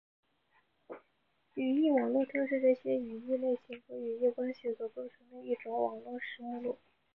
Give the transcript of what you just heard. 语义网络正是这些语义类型和语义关系所构成的一种网络式目录。